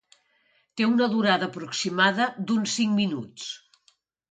Té una durada aproximada d’uns cinc minuts.